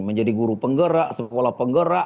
menjadi guru penggerak sekolah penggerak